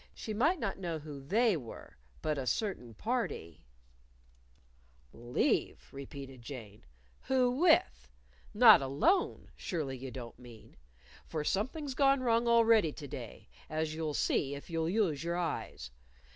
She might not know who "They" were. But "a certain party" "Leave?" repeated Jane, "Who with? Not alone, surely you don't mean. For something's gone wrong already to day, as you'll see if you'll use your eyes.